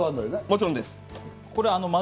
もちろんです。